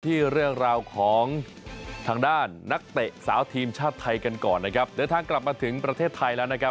ที่เรื่องราวของทางด้านนักเตะสาวทีมชาติไทยกันก่อนนะครับเดินทางกลับมาถึงประเทศไทยแล้วนะครับ